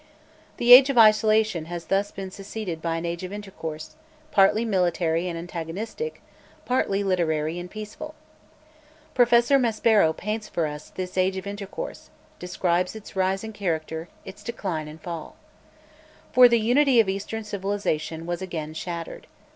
The age of isolation has thus been succeeded by an age of intercourse, partly military and antagonistic, partly literary and peaceful. Professor Maspero paints for us this age of intercourse, describes its rise and character, its decline and fall. For the unity of Eastern civilization was again shattered.